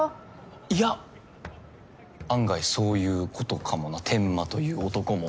いや案外そういうことかもな天間という男も。